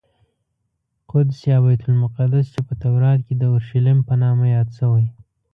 قدس یا بیت المقدس چې په تورات کې د اورشلیم په نامه یاد شوی.